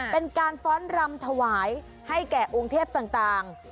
เป็นการฟ้อนรำถวายให้แก่องค์เทพต่าง